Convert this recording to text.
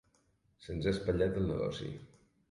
Se'ns ha espatllat el negoci.